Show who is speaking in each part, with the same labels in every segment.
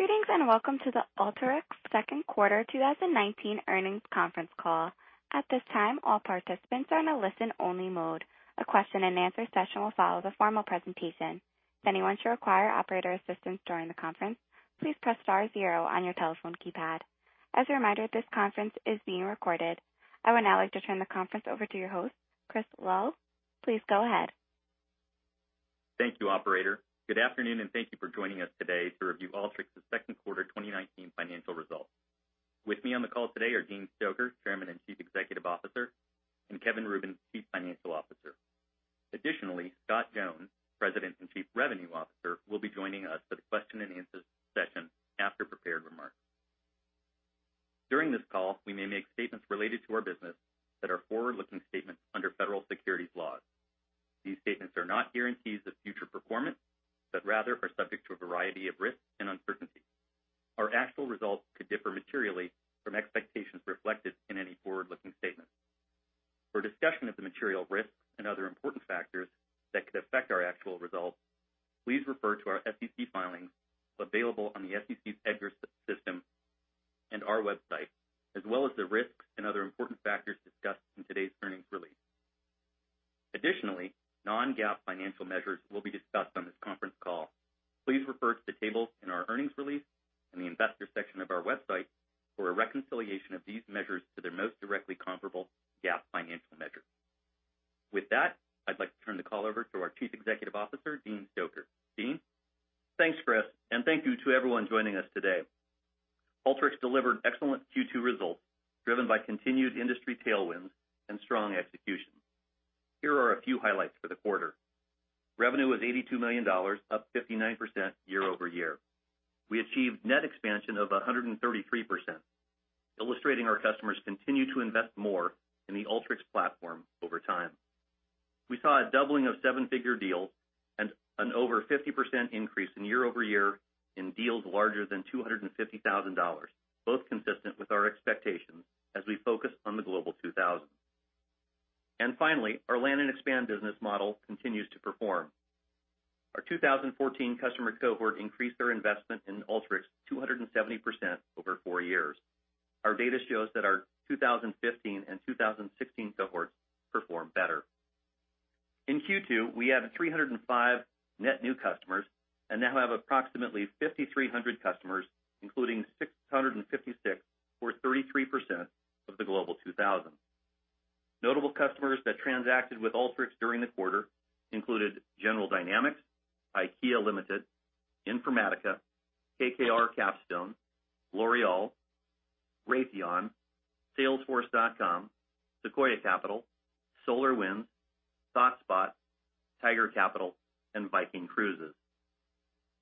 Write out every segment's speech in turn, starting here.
Speaker 1: Greetings, and welcome to the Alteryx second quarter 2019 earnings conference call. At this time, all participants are in a listen-only mode. A question and answer session will follow the formal presentation. If anyone should require operator assistance during the conference, please press star zero on your telephone keypad. As a reminder, this conference is being recorded. I would now like to turn the conference over to your host, Chris Lal. Please go ahead.
Speaker 2: Thank you, operator. Good afternoon. Thank you for joining us today to review Alteryx's second quarter 2019 financial results. With me on the call today are Dean Stoecker, Chairman and Chief Executive Officer, and Kevin Rubin, Chief Financial Officer. Additionally, Scott Jones, President and Chief Revenue Officer, will be joining us for the question and answer session after prepared remarks. During this call, we may make statements related to our business that are forward-looking statements under federal securities laws. These statements are not guarantees of future performance, but rather are subject to a variety of risks and uncertainties. Our actual results could differ materially from expectations reflected in any forward-looking statement. For a discussion of the material risks and other important factors that could affect our actual results, please refer to our SEC filings available on the SEC's EDGAR system and our website, as well as the risks and other important factors discussed in today's earnings release. Additionally, non-GAAP financial measures will be discussed on this conference call. Please refer to the tables in our earnings release in the investor section of our website for a reconciliation of these measures to their most directly comparable GAAP financial measures. With that, I'd like to turn the call over to our Chief Executive Officer, Dean Stoecker. Dean?
Speaker 3: Thanks, Chris, and thank you to everyone joining us today. Alteryx delivered excellent Q2 results, driven by continued industry tailwinds and strong execution. Here are a few highlights for the quarter. Revenue was $82 million, up 59% year-over-year. We achieved net expansion of 133%, illustrating our customers continue to invest more in the Alteryx platform over time. We saw a doubling of seven-figure deals and an over 50% increase in year-over-year in deals larger than $250,000, both consistent with our expectations as we focus on the Global 2000. Finally, our land and expand business model continues to perform. Our 2014 customer cohort increased their investment in Alteryx 270% over four years. Our data shows that our 2015 and 2016 cohorts perform better. In Q2, we added 305 net new customers and now have approximately 5,300 customers, including 656 or 33% of the Global 2000. Notable customers that transacted with Alteryx during the quarter included General Dynamics, IKEA Limited, Informatica, KKR Capstone, L'Oréal, Raytheon, salesforce.com, Sequoia Capital, SolarWinds, Stockspot, Tiger Capital, and Viking Cruises.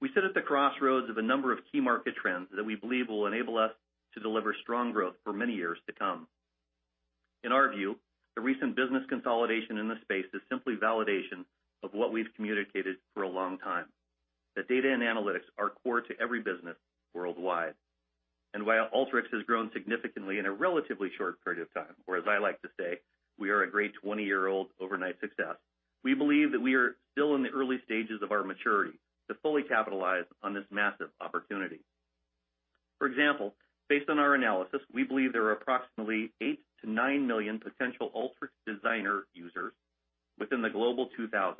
Speaker 3: We sit at the crossroads of a number of key market trends that we believe will enable us to deliver strong growth for many years to come. In our view, the recent business consolidation in this space is simply validation of what we've communicated for a long time, that data and analytics are core to every business worldwide. While Alteryx has grown significantly in a relatively short period of time, or as I like to say, we are a great 20-year-old overnight success, we believe that we are still in the early stages of our maturity to fully capitalize on this massive opportunity. For example, based on our analysis, we believe there are approximately 8 million to 9 million potential Alteryx Designer users within the Global 2000,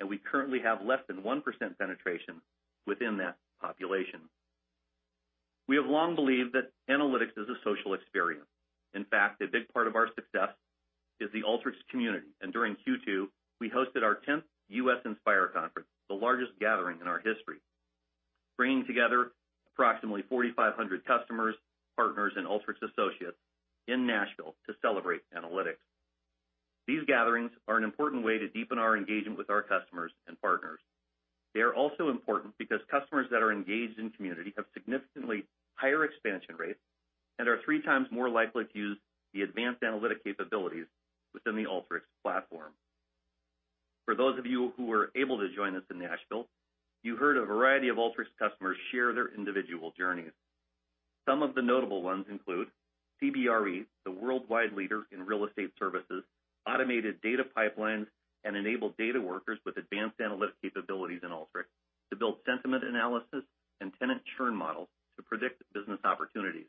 Speaker 3: and we currently have less than 1% penetration within that population. We have long believed that analytics is a social experience. In fact, a big part of our success is the Alteryx Community. During Q2, we hosted our 10th U.S. Inspire Conference, the largest gathering in our history, bringing together approximately 4,500 customers, partners, and Alteryx associates in Nashville to celebrate analytics. These gatherings are an important way to deepen our engagement with our customers and partners. They are also important because customers that are engaged in Community have significantly higher expansion rates and are 3x more likely to use the advanced analytic capabilities within the Alteryx platform. For those of you who were able to join us in Nashville, you heard a variety of Alteryx customers share their individual journeys. Some of the notable ones include CBRE, the worldwide leader in real estate services, automated data pipelines, and enabled data workers with advanced analytic capabilities in Alteryx to build sentiment analysis and tenant churn models to predict business opportunities.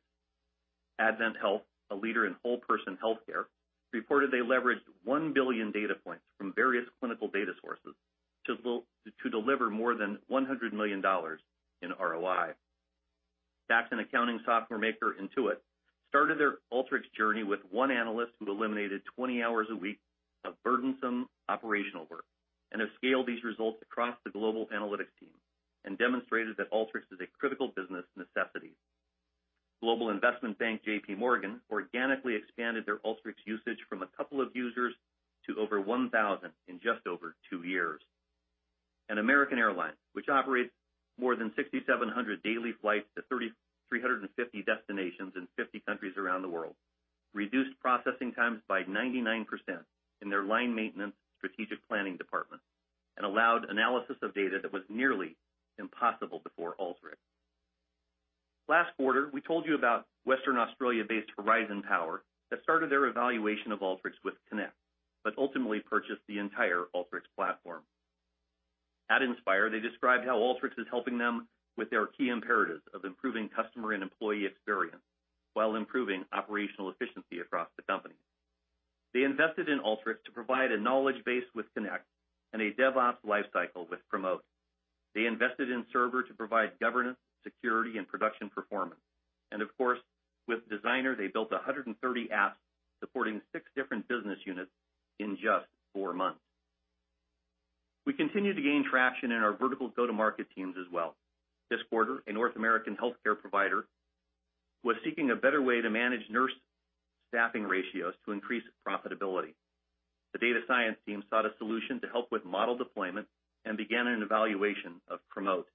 Speaker 3: AdventHealth, a leader in whole person healthcare, reported they leveraged 1 billion data points from various clinical data sources to deliver more than $100 million in ROI. Tax and accounting software maker Intuit started their Alteryx journey with one analyst who eliminated 20 hours a week of burdensome operational work and have scaled these results across the global analytics team and demonstrated that Alteryx is a critical business necessity. Global investment bank JPMorgan organically expanded their Alteryx usage from a couple of users to over 1,000 in just over two years. American Airlines, which operates more than 6,700 daily flights to 350 destinations in 50 countries around the world, reduced processing times by 99% in their line maintenance strategic planning department and allowed analysis of data that was nearly impossible before Alteryx. Last quarter, we told you about Western Australia-based Horizon Power that started their evaluation of Alteryx with Connect, but ultimately purchased the entire Alteryx platform. At Inspire, they described how Alteryx is helping them with their key imperatives of improving customer and employee experience while improving operational efficiency across the company. They invested in Alteryx to provide a knowledge base with Connect and a DevOps lifecycle with Promote. They invested in Server to provide governance, security, and production performance. Of course, with Designer, they built 130 apps supporting six different business units in just four months. We continue to gain traction in our vertical go-to-market teams as well. This quarter, a North American healthcare provider was seeking a better way to manage nurse staffing ratios to increase profitability. The data science team sought a solution to help with model deployment and began an evaluation of Promote.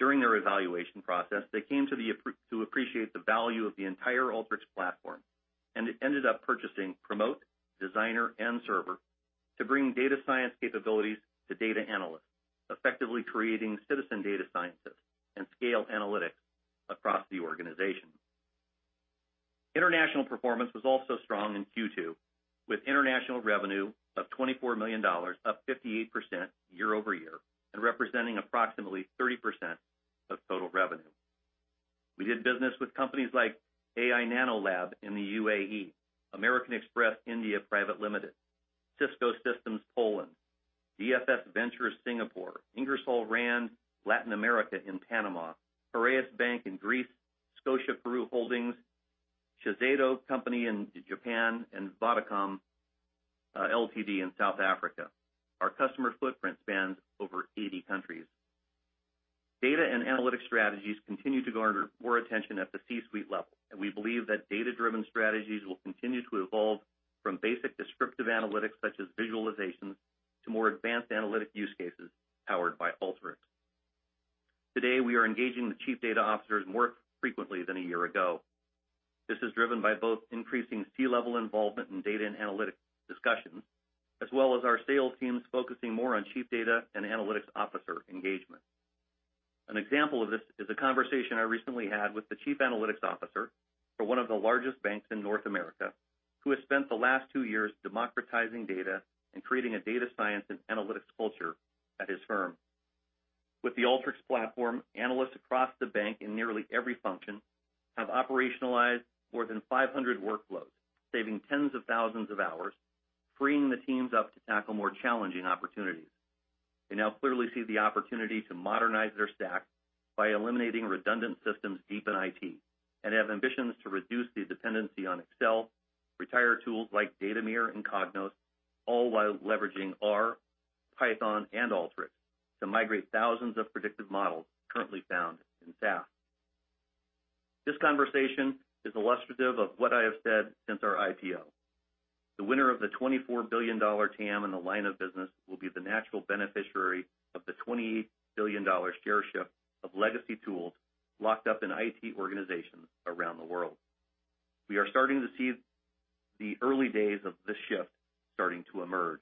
Speaker 3: During their evaluation process, they came to appreciate the value of the entire Alteryx platform, they ended up purchasing Promote, Designer, and Server to bring data science capabilities to data analysts, effectively creating citizen data scientists and scale analytics across the organization. International performance was also strong in Q2, with international revenue of $24 million, up 58% year-over-year and representing approximately 30% of total revenue. We did business with companies like AiNanoLab in the UAE, American Express India Private Limited, Cisco Systems Poland, DFF Ventures Singapore, Ingersoll Rand Latin America in Panama, Piraeus Bank in Greece, Scotia Peru Holdings, Shiseido Company in Japan, and Vodacom Ltd. in South Africa. Our customer footprint spans over 80 countries. Data and analytics strategies continue to garner more attention at the C-suite level, and we believe that data-driven strategies will continue to evolve from basic descriptive analytics such as visualization to more advanced analytic use cases powered by Alteryx. Today, we are engaging with chief data officers more frequently than a year ago. This is driven by both increasing C-level involvement in data and analytics discussions, as well as our sales teams focusing more on chief data and analytics officer engagement. An example of this is a conversation I recently had with the chief analytics officer for one of the largest banks in North America, who has spent the last two years democratizing data and creating a data science and analytics culture at his firm. With the Alteryx platform, analysts across the bank in nearly every function have operationalized more than 500 workflows, saving tens of thousands of hours, freeing the teams up to tackle more challenging opportunities. They now clearly see the opportunity to modernize their stack by eliminating redundant systems deep in IT and have ambitions to reduce the dependency on Excel, retire tools like Datameer and Cognos, all while leveraging R, Python, and Alteryx to migrate thousands of predictive models currently found in SAS. This conversation is illustrative of what I have said since our IPO. The winner of the $24 billion TAM and the line of business will be the natural beneficiary of the $28 billion share shift of legacy tools locked up in IT organizations around the world. We are starting to see the early days of this shift starting to emerge.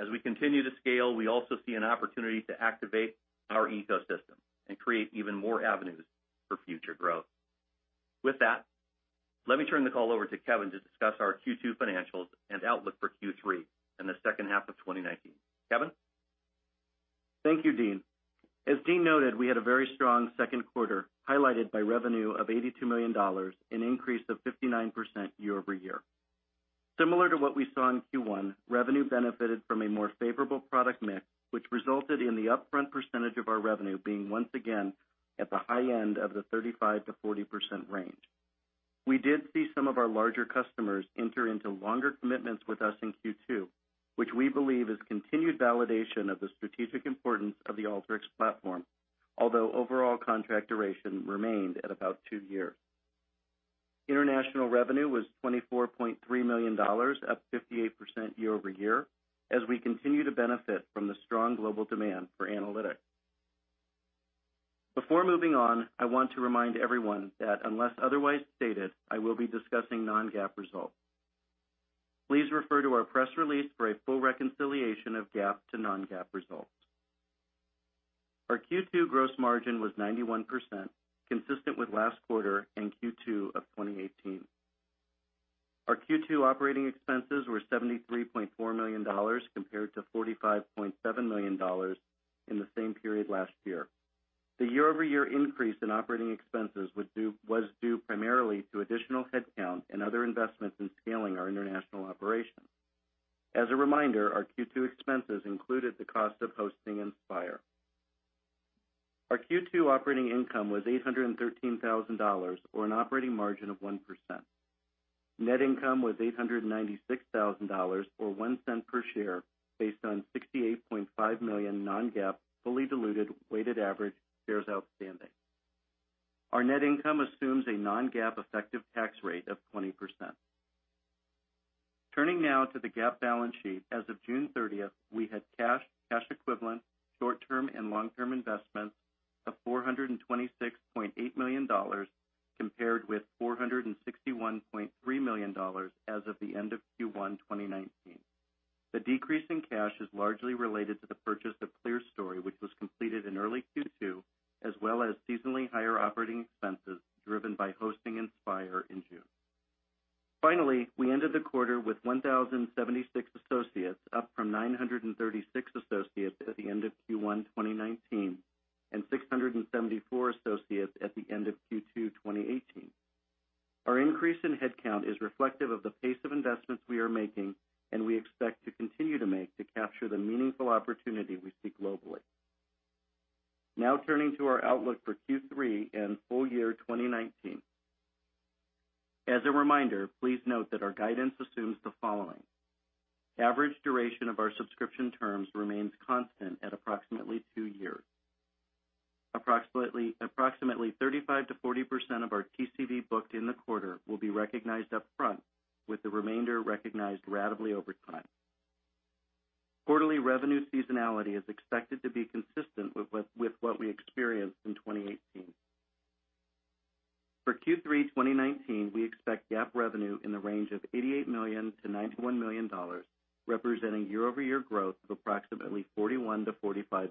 Speaker 3: As we continue to scale, we also see an opportunity to activate our ecosystem and create even more avenues for future growth. With that, let me turn the call over to Kevin to discuss our Q2 financials and outlook for Q3 in the second half of 2019. Kevin?
Speaker 4: Thank you, Dean. As Dean noted, we had a very strong second quarter, highlighted by revenue of $82 million, an increase of 59% year-over-year. Similar to what we saw in Q1, revenue benefited from a more favorable product mix, which resulted in the upfront percentage of our revenue being once again at the high end of the 35%-40% range. We did see some of our larger customers enter into longer commitments with us in Q2, which we believe is continued validation of the strategic importance of the Alteryx platform, although overall contract duration remained at about two years. International revenue was $24.3 million, up 58% year-over-year, as we continue to benefit from the strong global demand for analytics. Before moving on, I want to remind everyone that unless otherwise stated, I will be discussing non-GAAP results. Please refer to our press release for a full reconciliation of GAAP to non-GAAP results. Our Q2 gross margin was 91%, consistent with last quarter and Q2 of 2018. Our Q2 operating expenses were $73.4 million compared to $45.7 million in the same period last year. The year-over-year increase in operating expenses was due primarily to additional headcount and other investments in scaling our international operations. As a reminder, our Q2 expenses included the cost of hosting Inspire. Our Q2 operating income was $813,000, or an operating margin of 1%. Net income was $896,000, or $0.01 per share, based on 68.5 million non-GAAP, fully diluted, weighted average shares outstanding. Our net income assumes a non-GAAP effective tax rate of 20%. Turning now to the GAAP balance sheet. As of June 30th, we had cash equivalent, short-term and long-term investments of $426.8 million, compared with $461.3 million as of the end of Q1 2019. The decrease in cash is largely related to the purchase of ClearStory, which was completed in early Q2, as well as seasonally higher operating expenses driven by hosting Inspire in June. Finally, we ended the quarter with 1,076 associates, up from 936 associates at the end of Q1 2019, and 674 associates at the end of Q2 2018. Our increase in headcount is reflective of the pace of investments we are making, and we expect to continue to make to capture the meaningful opportunity we see globally. Now turning to our outlook for Q3 and full year 2019. As a reminder, please note that our guidance assumes the following. Average duration of our subscription terms remains constant at approximately two years. Approximately 35%-40% of our TCV booked in the quarter will be recognized upfront, with the remainder recognized ratably over time. Quarterly revenue seasonality is expected to be consistent with what we experienced in 2018. For Q3 2019, we expect GAAP revenue in the range of $88 million-$91 million, representing year-over-year growth of approximately 41%-45%.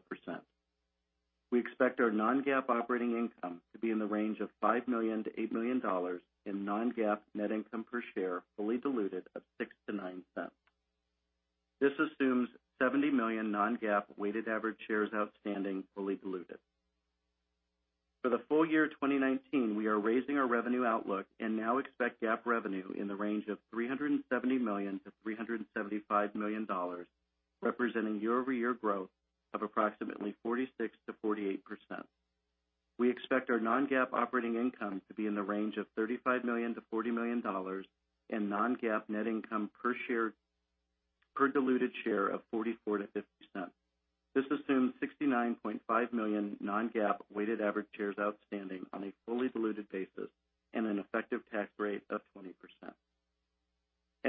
Speaker 4: We expect our non-GAAP operating income to be in the range of $5 million-$8 million, and non-GAAP net income per share fully diluted of $0.06-$0.09. This assumes 70 million non-GAAP weighted average shares outstanding, fully diluted. For the full year 2019, we are raising our revenue outlook and now expect GAAP revenue in the range of $370 million-$375 million, representing year-over-year growth of approximately 46%-48%. We expect our non-GAAP operating income to be in the range of $35 million-$40 million, and non-GAAP net income per diluted share of $0.44-$0.50. This assumes 69.5 million non-GAAP weighted average shares outstanding on a fully diluted basis and an effective tax rate of 20%.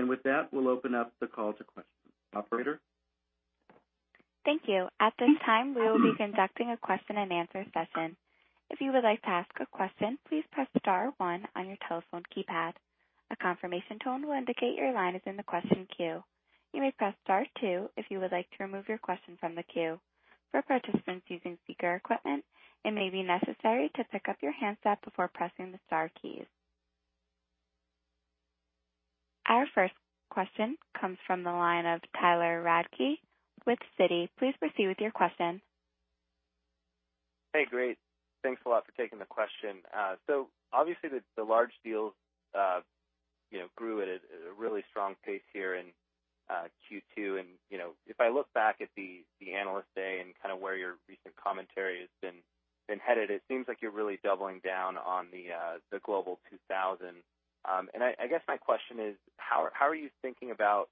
Speaker 4: With that, we'll open up the call to questions. Operator?
Speaker 1: Thank you. At this time, we will be conducting a question-and-answer session. If you would like to ask a question, please press star one on your telephone keypad. A confirmation tone will indicate your line is in the question queue. You may press star two if you would like to remove your question from the queue. For participants using speaker equipment, it may be necessary to pick up your handset before pressing the star keys. Our first question comes from the line of Tyler Radke with Citi. Please proceed with your question.
Speaker 5: Hey, great. Thanks a lot for taking the question. Obviously the large deals grew at a really strong pace here in Q2. If I look back at the Analyst Day and where your recent commentary has been headed, it seems like you're really doubling down on the Global 2000. I guess my question is, how are you thinking about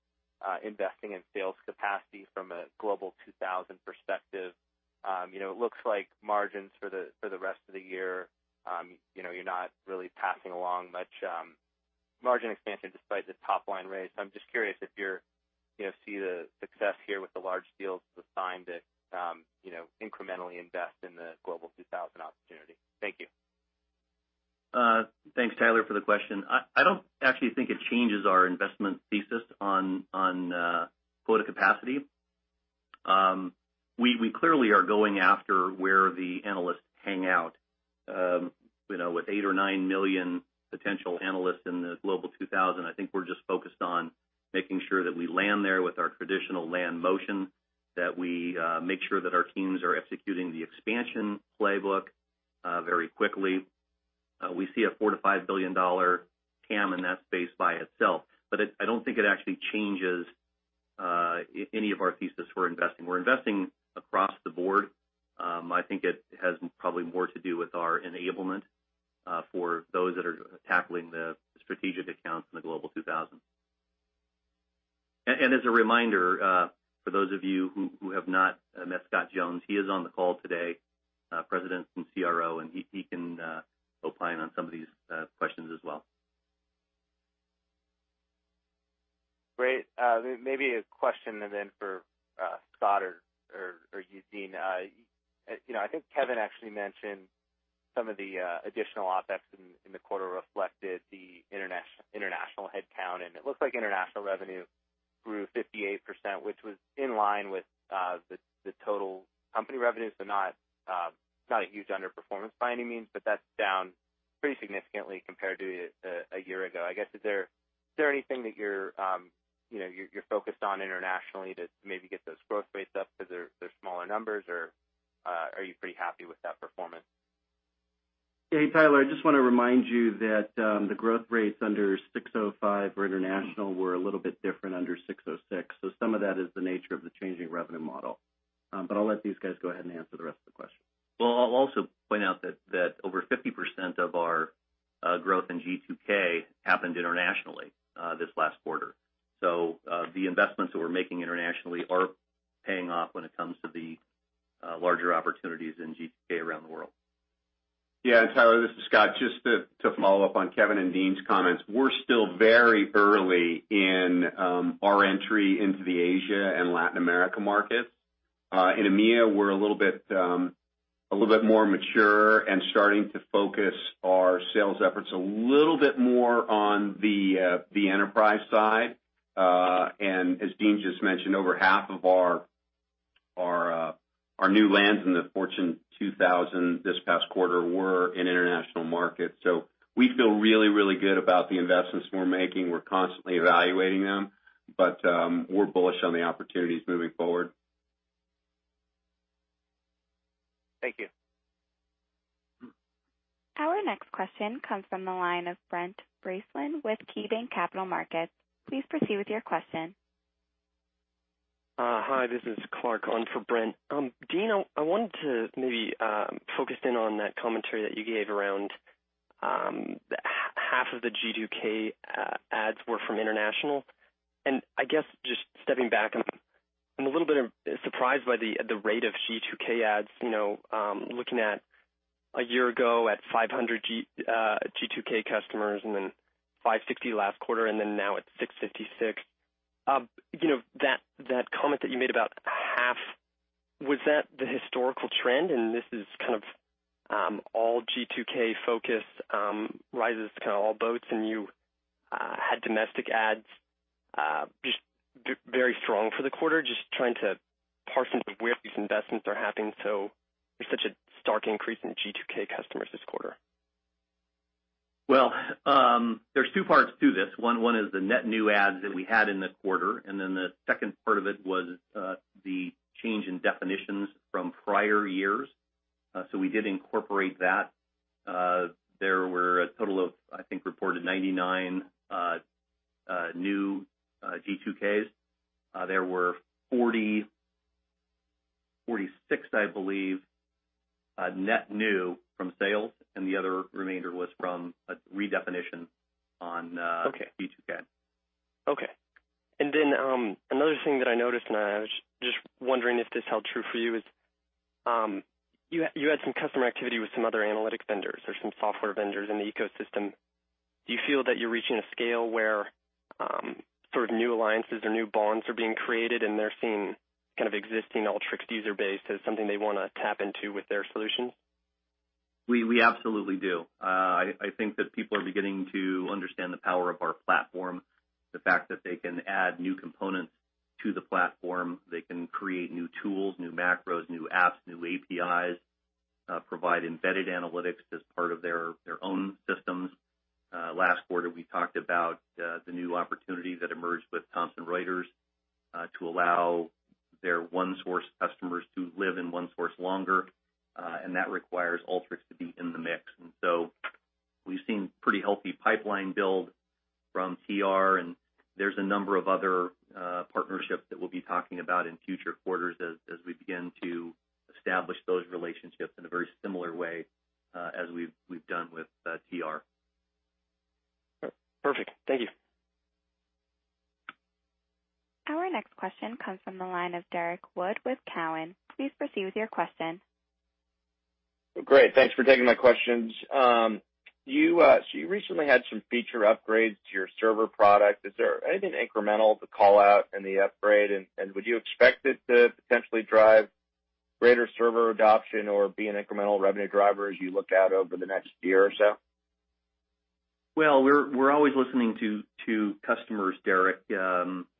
Speaker 5: investing in sales capacity from a Global 2000 perspective? It looks like margins for the rest of the year, you're not really passing along much margin expansion despite the top-line raise. I'm just curious if you see the success here with the large deals as a sign to incrementally invest in the Global 2000 opportunity. Thank you.
Speaker 3: Thanks, Tyler, for the question. I don't actually think it changes our investment thesis on quota capacity. We clearly are going after where the analysts hang out. With 8 million or 9 million potential analysts in the Global 2000, I think we're just focused on making sure that we land there with our traditional land motion, that we make sure that our teams are executing the expansion playbook very quickly. We see a $4 billion-$5 billion TAM in that space by itself. I don't actually think it changes any of our thesis for investing. We're investing across the board. I think it has probably more to do with our enablement for those that are tackling the strategic accounts in the Global 2000. As a reminder, for those of you who have not met Scott Jones, he is on the call today, President and CRO, and he can opine on some of these questions as well.
Speaker 5: Great. Maybe a question and then for Scott or you, Dean. I think Kevin actually mentioned some of the additional OpEx in the quarter reflected the international headcount, and it looks like international revenue grew 58%, which was in line with the total company revenue. Not a huge underperformance by any means, but that's down pretty significantly compared to a year ago. I guess, is there anything that you're focused on internationally to maybe get those growth rates up because they're smaller numbers, or are you pretty happy with that performance?
Speaker 4: Hey, Tyler, I just want to remind you that the growth rates under 605 for international were a little bit different under 606. Some of that is the nature of the changing revenue model. I'll let these guys go ahead and answer the rest of the question.
Speaker 3: Well, I'll also point out that over 50% of our growth in G2K happened internationally this last quarter. The investments that we're making internationally are paying off when it comes to the larger opportunities in G2K around the world.
Speaker 6: Yeah. Tyler, this is Scott. Just to follow up on Kevin and Dean's comments, we're still very early in our entry into the Asia and Latin America markets. In EMEA, we're a little bit more mature and starting to focus our sales efforts a little bit more on the enterprise side. As Dean just mentioned, over half of our new lands in the Fortune 2000 this past quarter were in international markets. We feel really, really good about the investments we're making. We're constantly evaluating them, but we're bullish on the opportunities moving forward.
Speaker 5: Thank you.
Speaker 1: Our next question comes from the line of Brent Bracelin with KeyBanc Capital Markets. Please proceed with your question.
Speaker 7: Hi, this is Clark on for Brent. Dean, I wanted to maybe focus in on that commentary that you gave around half of the G2K adds were from international. I guess just stepping back, I'm a little bit surprised by the rate of G2K adds, looking at a year ago at 500 G2K customers, then 560 last quarter, now it's 656. That comment that you made about half, was that the historical trend? This is kind of all G2K focus rises kind of all boats. You had domestic adds just very strong for the quarter? Just trying to parse where these investments are happening. There's such a stark increase in G2K customers this quarter.
Speaker 3: Well, there's two parts to this. One is the net new adds that we had in the quarter, and then the second part of it was the change in definitions from prior years. We did incorporate that. There were a total of, I think, reported 99 new G2Ks. There were 46, I believe, net new from sales, and the other remainder was from a redefinition on G2K.
Speaker 7: Okay. Another thing that I noticed, and I was just wondering if this held true for you, is you had some customer activity with some other analytics vendors or some software vendors in the ecosystem. Do you feel that you're reaching a scale where sort of new alliances or new bonds are being created and they're seeing kind of existing Alteryx user base as something they want to tap into with their solutions?
Speaker 3: We absolutely do. I think that people are beginning to understand the power of our platform. The fact that they can add new components to the platform, they can create new tools, new macros, new apps, new APIs, provide embedded analytics as part of their own systems. Last quarter, we talked about the new opportunity that emerged with Thomson Reuters, to allow their ONESOURCE customers to live in ONESOURCE longer. That requires Alteryx to be in the mix. We've seen pretty healthy pipeline build from TR, and there's a number of other partnerships that we'll be talking about in future quarters as we begin to establish those relationships in a very similar way as we've done with TR.
Speaker 7: Perfect. Thank you.
Speaker 1: Our next question comes from the line of Derrick Wood with Cowen. Please proceed with your question.
Speaker 8: Great. Thanks for taking my questions. You recently had some feature upgrades to your Server product. Is there anything incremental to call out in the upgrade, and would you expect it to potentially drive greater Server adoption or be an incremental revenue driver as you look out over the next year or so?
Speaker 3: Well, we're always listening to customers, Derrick.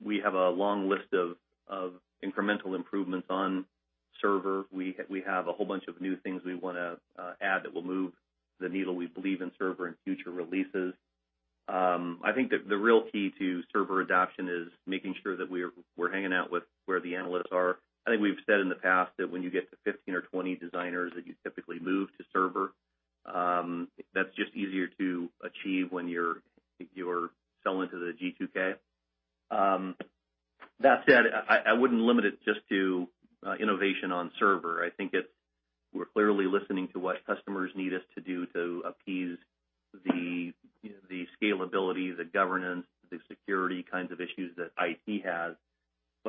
Speaker 3: We have a long list of incremental improvements on server. We have a whole bunch of new things we want to add that will move the needle, we believe, in server and future releases. I think that the real key to server adoption is making sure that we're hanging out with where the analysts are. I think we've said in the past that when you get to 15 or 20 designers, that you typically move to server. That's just easier to achieve when you're selling to the G2K. That said, I wouldn't limit it just to innovation on server. I think we're clearly listening to what customers need us to do to appease the scalability, the governance, the security kinds of issues that IT has.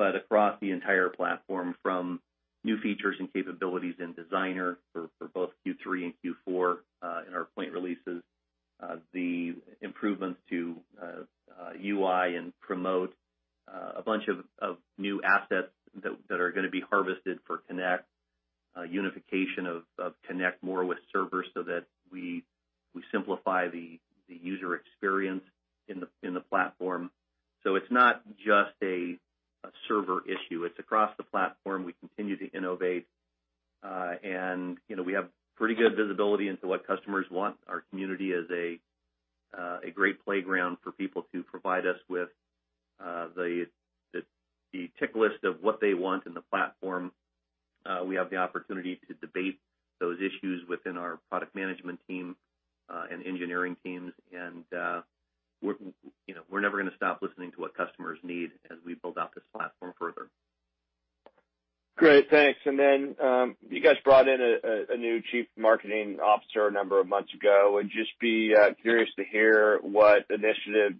Speaker 3: Across the entire platform, from new features and capabilities in Alteryx Designer for both Q3 and Q4, in our point releases, the improvements to UI and Alteryx Promote, a bunch of new assets that are going to be harvested for Alteryx Connect, a unification of Alteryx Connect more with Alteryx Server so that we simplify the user experience in the platform. It's not just an Alteryx Server issue. It's across the platform. We continue to innovate. We have pretty good visibility into what customers want. Our community is a great playground for people to provide us with the tick list of what they want in the platform. We have the opportunity to debate those issues within our product management team, and engineering teams. We're never going to stop listening to what customers need as we build out this platform further.
Speaker 8: Great. Thanks. You guys brought in a new Chief Marketing Officer a number of months ago. I would just be curious to hear what initiatives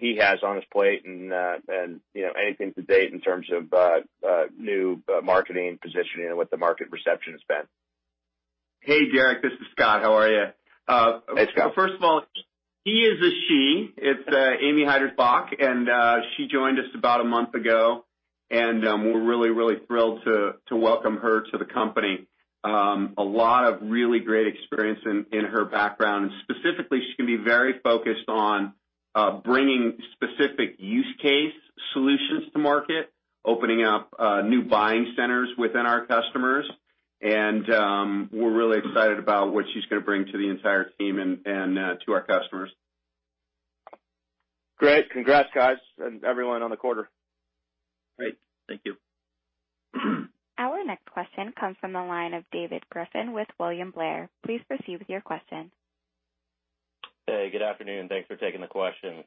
Speaker 8: he has on his plate and anything to date in terms of new marketing positioning and what the market reception has been.
Speaker 6: Hey, Derrick, this is Scott. How are you?
Speaker 8: Hey, Scott.
Speaker 6: First of all, he is a she. It's Amy Heidersbach. She joined us about a month ago, and we're really thrilled to welcome her to the company. A lot of really great experience in her background. Specifically, she's going to be very focused on bringing specific use case solutions to market, opening up new buying centers within our customers. We're really excited about what she's going to bring to the entire team and to our customers.
Speaker 8: Great. Congrats, guys, and everyone on the quarter.
Speaker 3: Great. Thank you.
Speaker 1: Our next question comes from the line of David Griffin with William Blair. Please proceed with your question.
Speaker 9: Hey, good afternoon. Thanks for taking the questions.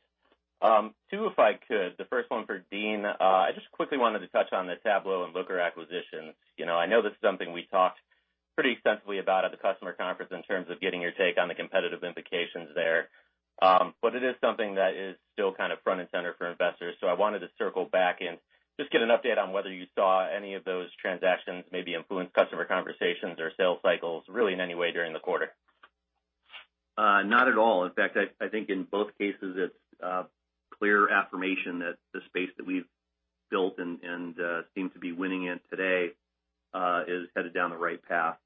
Speaker 9: Two, if I could. The first one for Dean. I just quickly wanted to touch on the Tableau and Looker acquisitions. I know this is something we talked pretty extensively about at the customer conference in terms of getting your take on the competitive implications there. It is something that is still kind of front and center for investors. I wanted to circle back and just get an update on whether you saw any of those transactions maybe influence customer conversations or sales cycles really in any way during the quarter.
Speaker 3: Not at all. In fact, I think in both cases, it's a clear affirmation that the space that we've built and seem to be winning in today is headed down the right path.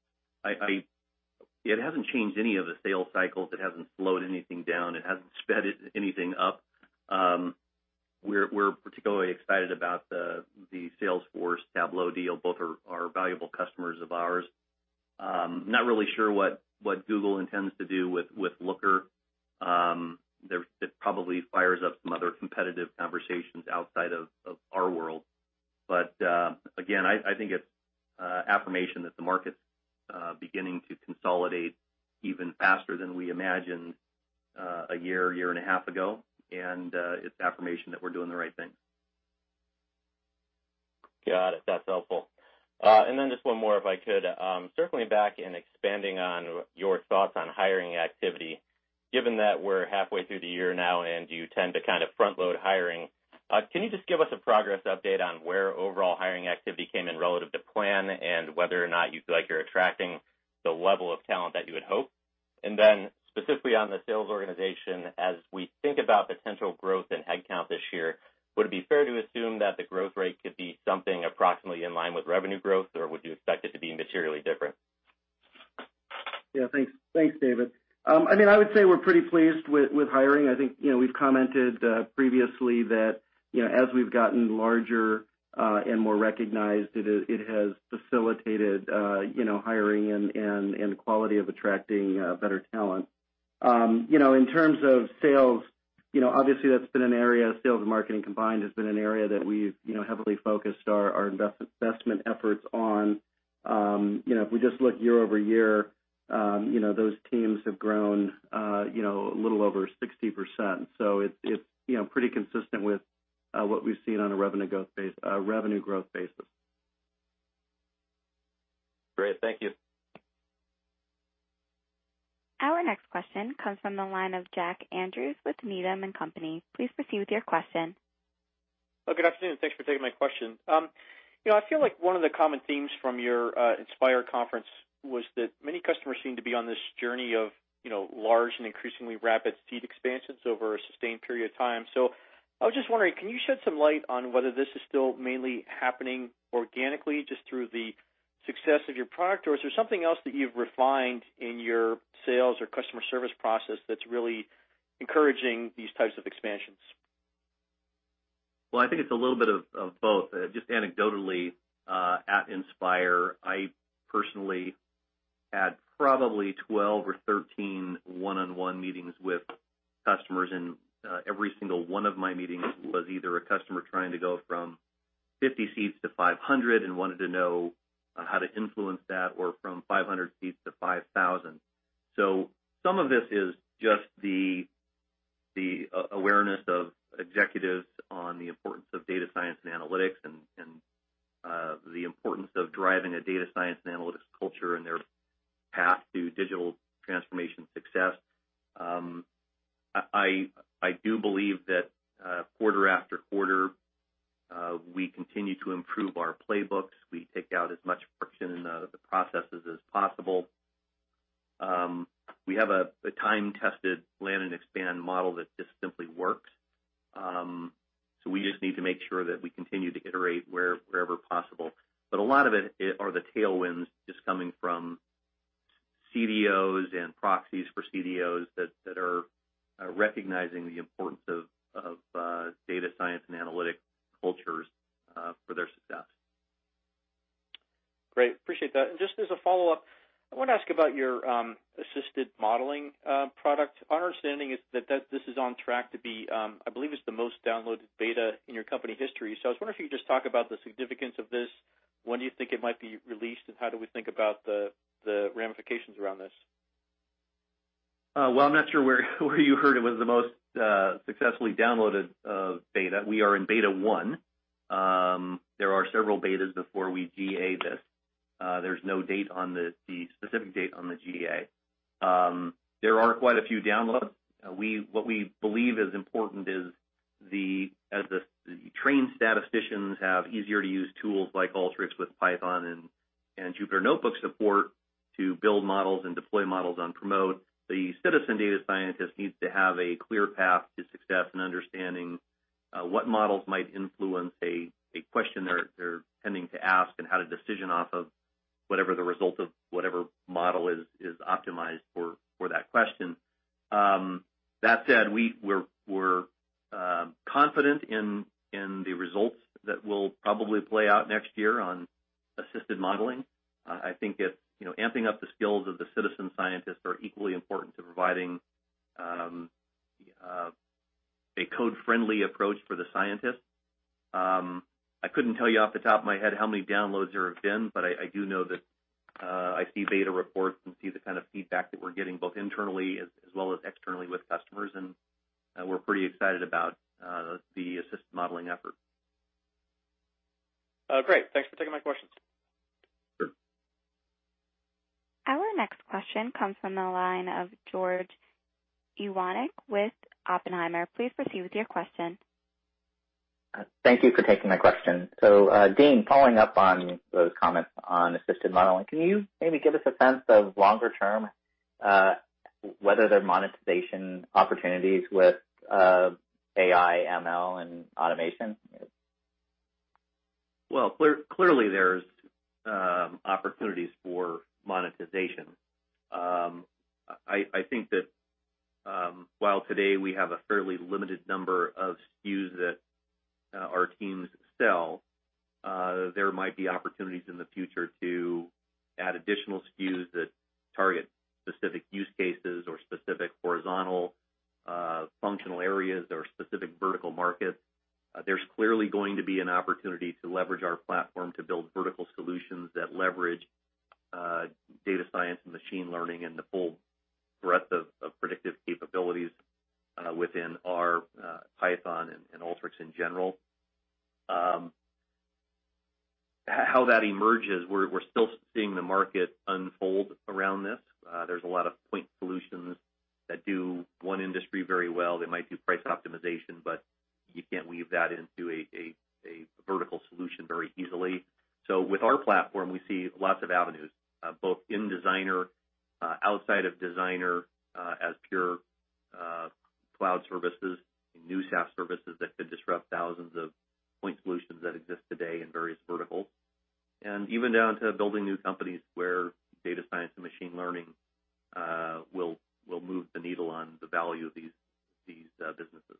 Speaker 3: It hasn't changed any of the sales cycles. It hasn't slowed anything down. It hasn't sped anything up. We're particularly excited about the Salesforce Tableau deal. Both are valuable customers of ours. Not really sure what Google intends to do with Looker. It probably fires up some other competitive conversations outside of our world. Again, I think it's affirmation that the market's beginning to consolidate even faster than we imagined a year and a half ago, and it's affirmation that we're doing the right thing.
Speaker 9: Got it. That's helpful. Then just one more, if I could. Circling back and expanding on your thoughts on hiring activity, given that we're halfway through the year now, and you tend to kind of front-load hiring, can you just give us a progress update on where overall hiring activity came in relative to plan and whether or not you feel like you're attracting the level of talent that you would hope? Then specifically on the sales organization, as we think about potential growth in headcount this year, would it be fair to assume that the growth rate could be something approximately in line with revenue growth, or would you expect it to be materially different?
Speaker 4: Yeah. Thanks, David. I would say we're pretty pleased with hiring. I think we've commented previously that as we've gotten larger, and more recognized, it has facilitated hiring and the quality of attracting better talent. In terms of sales, obviously that's been an area, sales and marketing combined, has been an area that we've heavily focused our investment efforts on. If we just look year-over-year, those teams have grown a little over 60%. It's pretty consistent with what we've seen on a revenue growth basis.
Speaker 9: Great. Thank you.
Speaker 1: Our next question comes from the line of Jack Andrews with Needham & Company. Please proceed with your question.
Speaker 10: Good afternoon. Thanks for taking my question. I feel like one of the common themes from your Inspire conference was that many customers seem to be on this journey of large and increasingly rapid seed expansions over a sustained period of time. I was just wondering, can you shed some light on whether this is still mainly happening organically just through the success of your product, or is there something else that you've refined in your sales or customer service process that's really encouraging these types of expansions?
Speaker 3: Well, I think it's a little bit of both. Just anecdotally, at Inspire, I personally had probably 12 or 13 one-on-one meetings with customers, and every single one of my meetings was either a customer trying to go from 50 seats to 500 and wanted to know how to influence that, or from 500 seats to 5,000. Some of this is just the awareness of executives on the importance of data science and analytics and the importance of driving a data science and analytics culture in their path to digital transformation success. I do believe that quarter-after-quarter, we continue to improve our playbooks. We take out as much friction in the processes as possible. We have a time-tested land and expand model that just simply works. We just need to make sure that we continue to iterate wherever possible. A lot of it are the tailwinds just coming from CDOs and proxies for CDOs that are recognizing the importance of data science and analytic cultures for their success.
Speaker 10: Great. Appreciate that. Just as a follow-up, I want to ask about your assisted modeling product. Our understanding is that this is on track to be, I believe it's the most downloaded beta in your company history. I was wondering if you could just talk about the significance of this. When do you think it might be released, and how do we think about the ramifications around this?
Speaker 3: I'm not sure where you heard it was the most successfully downloaded beta. We are in beta one. There are several betas before we GA this. There's no specific date on the GA. There are quite a few downloads. What we believe is important is. As the trained statisticians have easier-to-use tools like Alteryx with Python and Jupyter Notebook support to build models and deploy models on Promote, the citizen data scientist needs to have a clear path to success in understanding what models might influence a question they're tending to ask, and how to decision off of whatever the result of whatever model is optimized for that question. That said, we're confident in the results that will probably play out next year on assisted modeling. I think that amping up the skills of the citizen scientists are equally important to providing a code-friendly approach for the scientists. I couldn't tell you off the top of my head how many downloads there have been, but I do know that I see beta reports and see the kind of feedback that we're getting both internally as well as externally with customers. We're pretty excited about the assisted modeling effort.
Speaker 10: Great. Thanks for taking my questions.
Speaker 3: Sure.
Speaker 1: Our next question comes from the line of George Iwanyc with Oppenheimer. Please proceed with your question.
Speaker 11: Thank you for taking my question. Dean, following up on those comments on assisted modeling, can you maybe give us a sense of longer term, whether there are monetization opportunities with AI, ML, and automation?
Speaker 3: Well, clearly there's opportunities for monetization. I think that while today we have a fairly limited number of SKUs that our teams sell, there might be opportunities in the future to add additional SKUs that target specific use cases or specific horizontal functional areas or specific vertical markets. There's clearly going to be an opportunity to leverage our platform to build vertical solutions that leverage data science and machine learning and the full breadth of predictive capabilities within R, Python, and Alteryx in general. How that emerges, we're still seeing the market unfold around this. There's a lot of point solutions that do one industry very well. They might do price optimization, but you can't weave that into a vertical solution very easily. With our platform, we see lots of avenues, both in Designer, outside of Designer, as pure cloud services and new SaaS services that could disrupt thousands of point solutions that exist today in various verticals. Even down to building new companies where data science and machine learning will move the needle on the value of these businesses.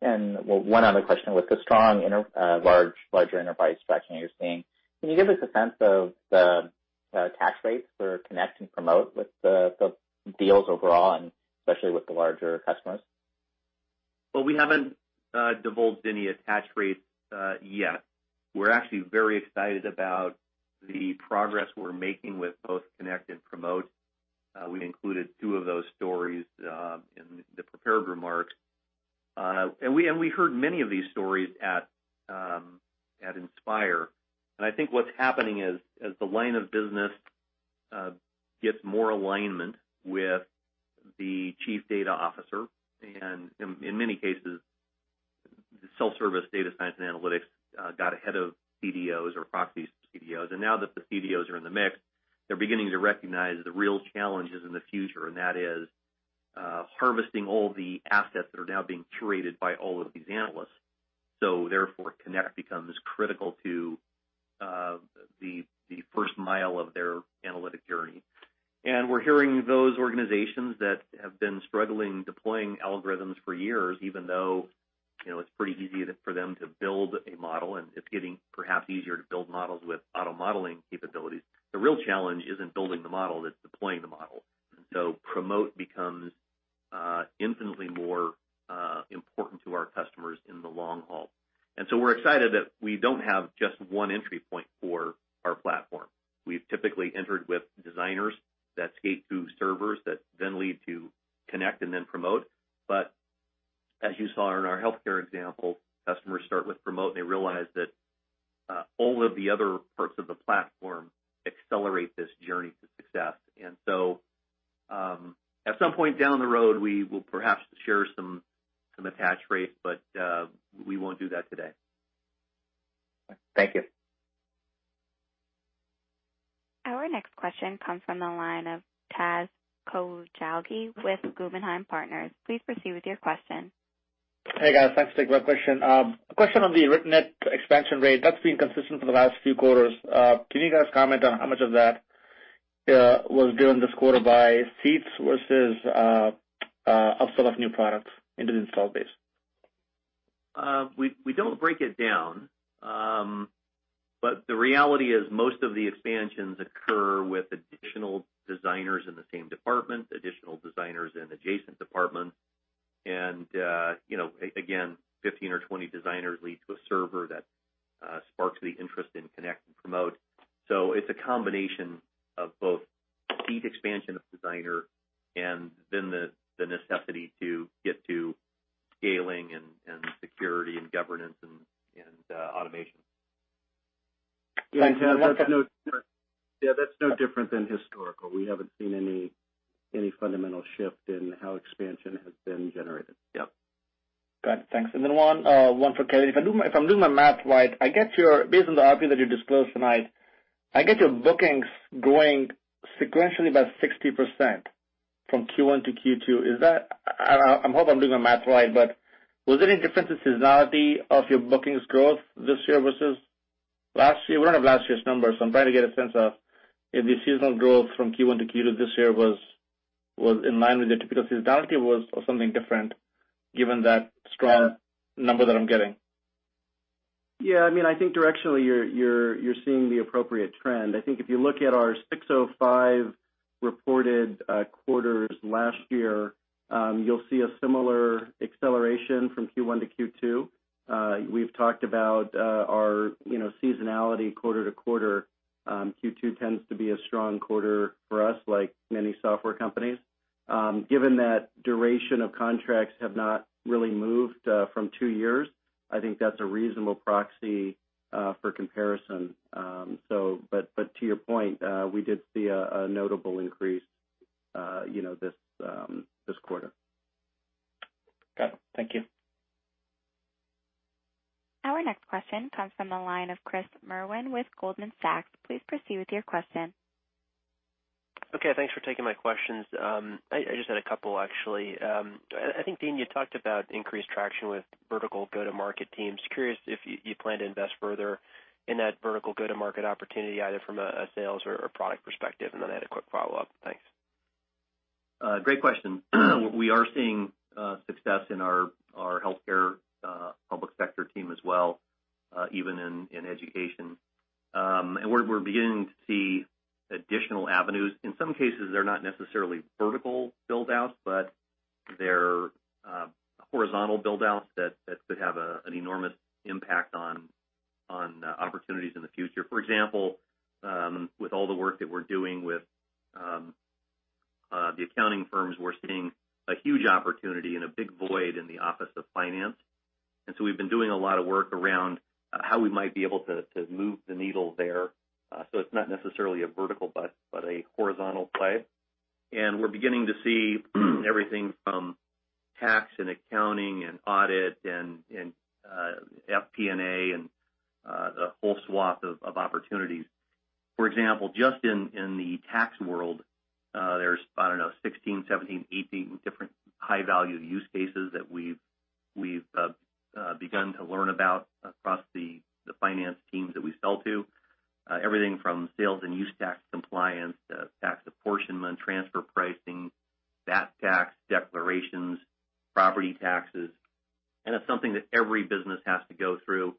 Speaker 11: One other question. With the strong larger enterprise traction you're seeing, can you give us a sense of the attach rates for Connect and Promote with the deals overall and especially with the larger customers?
Speaker 3: Well, we haven't divulged any attach rates yet. We're actually very excited about the progress we're making with both Connect and Promote. We included two of those stories in the prepared remarks. We heard many of these stories at Inspire. I think what's happening is, as the line of business gets more alignment with the Chief Data Officer, and in many cases, the self-service data science and analytics got ahead of CDOs or proxies to CDOs. Now that the CDOs are in the mix, they're beginning to recognize the real challenges in the future, and that is harvesting all the assets that are now being curated by all of these analysts. Therefore, Connect becomes critical to the first mile of their analytic journey. We're hearing those organizations that have been struggling deploying algorithms for years, even though it's pretty easy for them to build a model, and it's getting perhaps easier to build models with auto modeling capabilities. The real challenge isn't building the model, it's deploying the model. Promote becomes infinitely more important to our customers in the long haul. We're excited that we don't have just one entry point for our platform. We've typically entered with Designers that skate to Servers that then lead to Connect and then Promote. As you saw in our healthcare example, customers start with Promote, and they realize that all of the other parts of the platform accelerate this journey to success. At some point down the road, we will perhaps share some attach rates, but we won't do that today.
Speaker 11: Thank you.
Speaker 1: Our next question comes from the line of Taz Koujalgi with Guggenheim Partners. Please proceed with your question.
Speaker 12: Hey, guys. Thanks. A quick question. A question on the written net expansion rate, that's been consistent for the last few quarters. Can you guys comment on how much of that was driven this quarter by seats versus upsell of new products into the install base?
Speaker 3: We don't break it down. The reality is most of the expansions occur with additional designers in the same department, additional designers in adjacent departments, and again, 15 or 20 designers lead to a server that sparks the interest in Connect and Promote. It's a combination of both seat expansion of Designer and then the necessity to get to scaling and security and governance and automation.
Speaker 4: Yeah, that's no different than historical. We haven't seen any fundamental shift in how expansion has been generated. Yep.
Speaker 12: Got it. Thanks. Then one for Kevin. If I'm doing my math right, based on the RPO that you disclosed tonight, I get your bookings growing sequentially by 60% from Q1 to Q2. I hope I'm doing my math right, was there any difference in seasonality of your bookings growth this year versus last year? We don't have last year's numbers, I'm trying to get a sense of if the seasonal growth from Q1 to Q2 this year was in line with your typical seasonality or was it something different given that strong number that I'm getting?
Speaker 4: Yeah, I think directionally, you're seeing the appropriate trend. I think if you look at our 605 reported quarters last year, you'll see a similar acceleration from Q1 to Q2. We've talked about our seasonality quarter-to-quarter. Q2 tends to be a strong quarter for us, like many software companies. Given that duration of contracts have not really moved from two years, I think that's a reasonable proxy for comparison. To your point, we did see a notable increase this quarter.
Speaker 12: Got it. Thank you.
Speaker 1: Our next question comes from the line of Chris Merwin with Goldman Sachs. Please proceed with your question.
Speaker 13: Okay. Thanks for taking my questions. I just had a couple, actually. I think, Dean, you talked about increased traction with vertical go-to-market teams. Curious if you plan to invest further in that vertical go-to-market opportunity, either from a sales or a product perspective, and then I had a quick follow-up. Thanks.
Speaker 3: Great question. We are seeing success in our healthcare public sector team as well, even in education. We're beginning to see additional avenues. In some cases, they're not necessarily vertical build-outs, but they're horizontal build-outs that could have an enormous impact on opportunities in the future. For example, with all the work that we're doing with the accounting firms, we're seeing a huge opportunity and a big void in the office of finance. We've been doing a lot of work around how we might be able to move the needle there. It's not necessarily a vertical, but a horizontal play. We're beginning to see everything from tax and accounting and audit and FP&A and a whole swath of opportunities. For example, just in the tax world, there's, I don't know, 16, 17, 18 different high-value use cases that we've begun to learn about across the finance teams that we sell to. Everything from sales and use tax compliance to tax apportionment, transfer pricing, VAT tax, declarations, property taxes, and it's something that every business has to go through,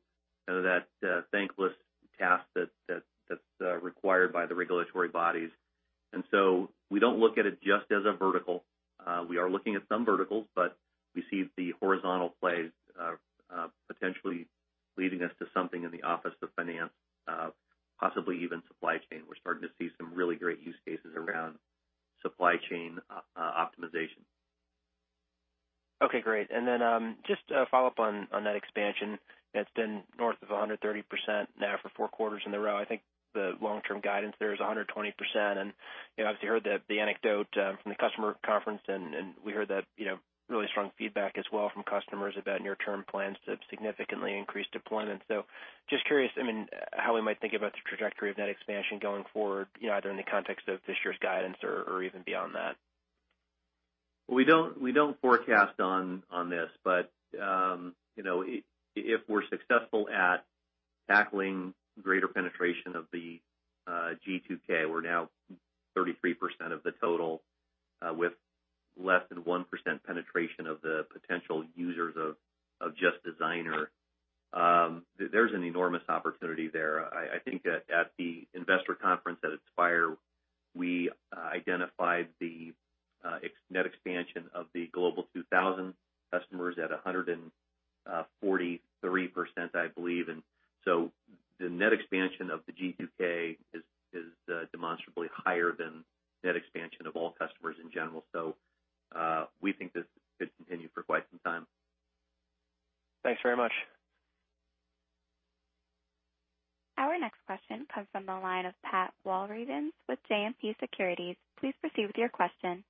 Speaker 3: that thankless task that's required by the regulatory bodies. We don't look at it just as a vertical. We are looking at some verticals, but we see the horizontal plays potentially leading us to something in the office of finance, possibly even supply chain. We're starting to see some really great use cases around supply chain optimization.
Speaker 13: Okay, great. Just a follow-up on that expansion that's been north of 130% now for four quarters in a row. I think the long-term guidance there is 120%, and obviously heard the anecdote from the customer conference, and we heard that really strong feedback as well from customers about near-term plans to significantly increase deployment. Just curious, how we might think about the trajectory of net expansion going forward, either in the context of this year's guidance or even beyond that?
Speaker 3: We don't forecast on this, but if we're successful at tackling greater penetration of the G2K, we're now 33% of the total, with less than 1% penetration of the potential users of just Designer. There's an enormous opportunity there. I think at the investor conference at Inspire, we identified the net expansion of the Global 2000 customers at 143%, I believe. The net expansion of the G2K is demonstrably higher than net expansion of all customers in general. We think this could continue for quite some time.
Speaker 13: Thanks very much.
Speaker 1: Our next question comes from the line of Pat Walravens with JMP Securities. Please proceed with your question.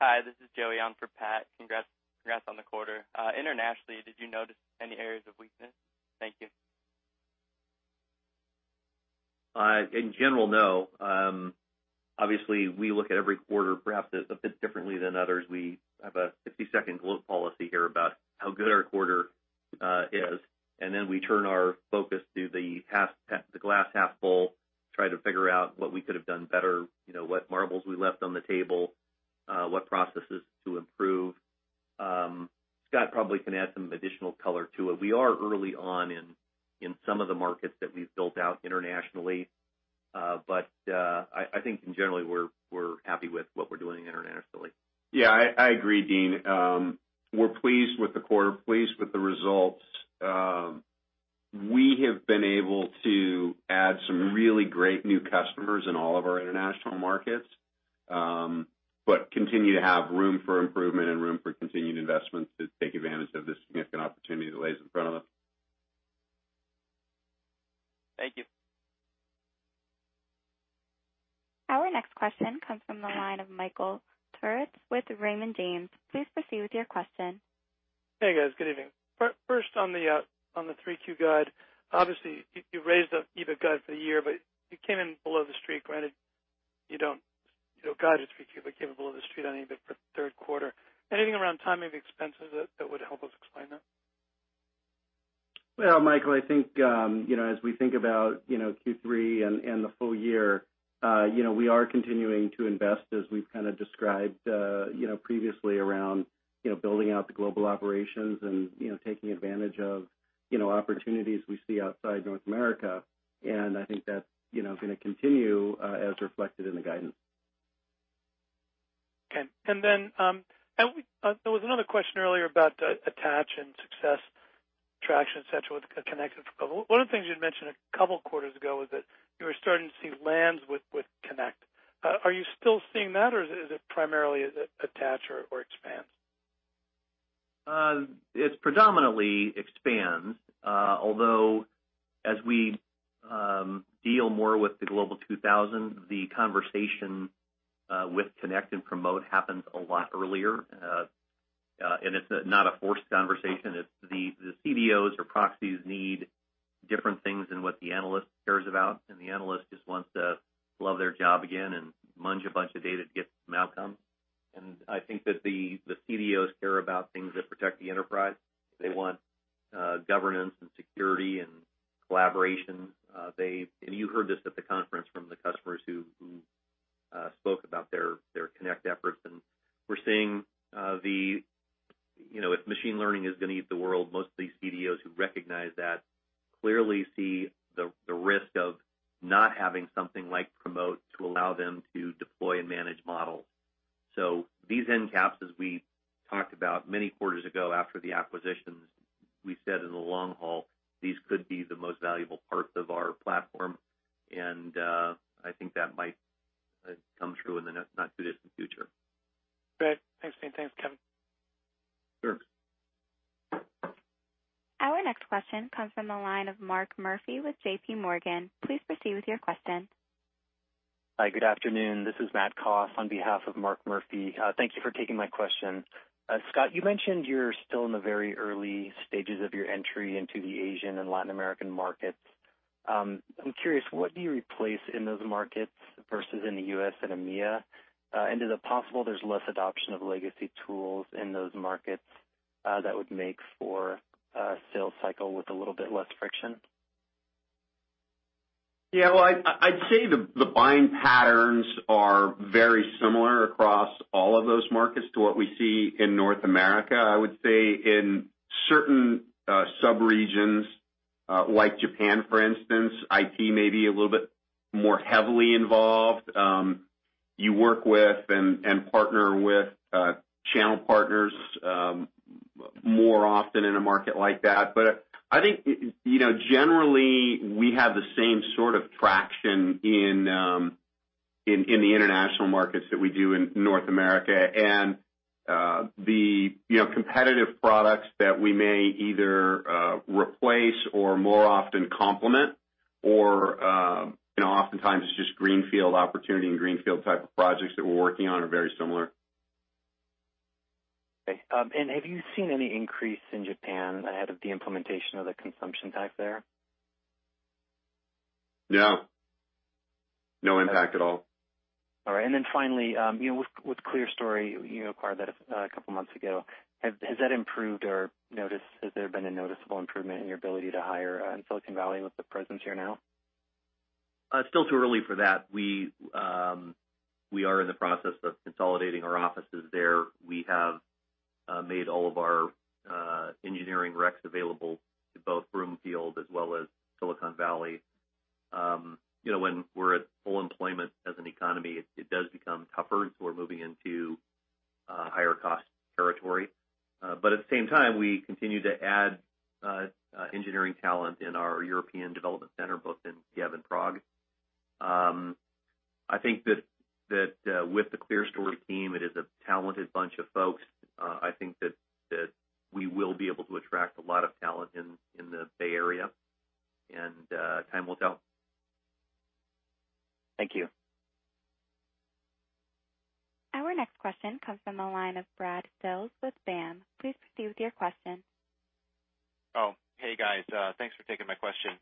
Speaker 14: Hi, this is Joey on for Pat. Congrats on the quarter. Internationally, did you notice any areas of weakness? Thank you.
Speaker 3: In general, no. Obviously, we look at every quarter perhaps a bit differently than others. We have a 60-second gloat policy here about how good our quarter is. Then we turn our focus to the glass half full, try to figure out what we could have done better, what marbles we left on the table, what processes to improve. Scott probably can add some additional color to it. We are early on in some of the markets that we've built out internationally. I think in general, we're happy with what we're doing internationally.
Speaker 6: Yeah, I agree, Dean. We're pleased with the quarter, pleased with the results. We have been able to add some really great new customers in all of our international markets, but continue to have room for improvement and room for continued investment to take advantage of the significant opportunity that lays in front of us.
Speaker 14: Thank you.
Speaker 1: Our next question comes from the line of Michael Turits with Raymond James. Please proceed with your question.
Speaker 15: Hey, guys. Good evening. First on the 3Q guide. Obviously, you raised the EBIT guide for the year, but you came in below the street. Granted, you don't guide to 3Q, but you came in below the street on EBIT for third quarter. Anything around timing of expenses that would help us explain that?
Speaker 4: Well, Michael, I think as we think about Q3 and the full year, we are continuing to invest as we've kind of described previously around building out the global operations and taking advantage of opportunities we see outside North America. I think that's going to continue as reflected in the guidance.
Speaker 15: Okay. There was another question earlier about attach and success traction, et cetera, with Connect. One of the things you'd mentioned a couple quarters ago was that you were starting to see lands with Connect. Are you still seeing that, or is it primarily attach or expand?
Speaker 3: It's predominantly expand. Although as we deal more with the Global 2000, the conversation with Connect and Promote happens a lot earlier. It's not a forced conversation. The CDOs or proxies need different things than what the analyst cares about. The analyst just wants to love their job again and munge a bunch of data to get some outcomes. I think that the CDOs care about things that protect the enterprise. They want governance and security and collaboration. You heard this at the conference from the customers who spoke about their Connect efforts. We're seeing if machine learning is going to eat the world, most of these CDOs who recognize that clearly see the risk of not having something like Promote to allow them to deploy and manage models. These end caps, as we talked about many quarters ago after the acquisitions, we said in the long haul, these could be the most valuable parts of our platform. I think that might come through in the not-too-distant future.
Speaker 15: Great. Thanks, Dean. Thanks, Kevin.
Speaker 3: Sure.
Speaker 1: Our next question comes from the line of Mark Murphy with JPMorgan. Please proceed with your question.
Speaker 16: Hi, good afternoon. This is Matt Coss on behalf of Mark Murphy. Thank you for taking my question. Scott, you mentioned you're still in the very early stages of your entry into the Asian and Latin American markets. I'm curious, what do you replace in those markets versus in the U.S. and EMEA? Is it possible there's less adoption of legacy tools in those markets that would make for a sales cycle with a little bit less friction?
Speaker 6: Yeah. Well, I'd say the buying patterns are very similar across all of those markets to what we see in North America. I would say in certain sub-regions like Japan, for instance, IT may be a little bit more heavily involved. You work with and partner with channel partners more often in a market like that. I think generally we have the same sort of traction in the international markets that we do in North America. The competitive products that we may either replace or more often complement, or oftentimes it's just greenfield opportunity and greenfield type of projects that we're working on are very similar.
Speaker 16: Okay. Have you seen any increase in Japan ahead of the implementation of the consumption tax there?
Speaker 6: No. No impact at all.
Speaker 16: All right. Finally, with ClearStory, you acquired that a couple of months ago. Has there been a noticeable improvement in your ability to hire in Silicon Valley with the presence here now?
Speaker 3: It's still too early for that. We are in the process of consolidating our offices there. We have made all of our engineering recs available to both Broomfield as well as Silicon Valley. When we're at full employment as an economy, it does become tougher as we're moving into higher cost territory. At the same time, we continue to add engineering talent in our European development center, both in Kiev and Prague. I think that with the ClearStory team, it is a talented bunch of folks. I think that we will be able to attract a lot of talent in the Bay Area, and time will tell.
Speaker 16: Thank you.
Speaker 1: Our next question comes from the line of Brad Sills with BAM. Please proceed with your question.
Speaker 17: Oh, hey, guys. Thanks for taking my question.